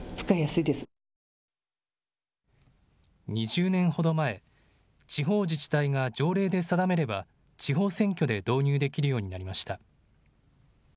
２０年ほど前、地方自治体が条例で定めれば地方選挙で導入できるようになりました。